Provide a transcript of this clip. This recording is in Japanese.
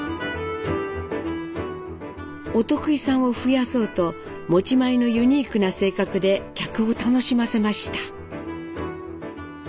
お得意さんを増やそうと持ち前のユニークな性格で客を楽しませました。